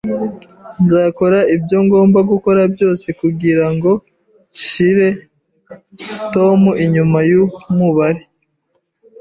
Nzakora ibyo ngomba gukora byose kugirango nshyire Tom inyuma yumubari